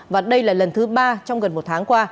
và đây là lần thứ ba trong gần một tháng qua